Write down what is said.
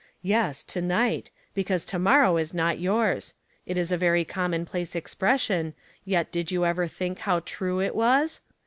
"Yes, to night, because to morrow is not yours. It is a very commonplace expression, yet did you ever think how true it was?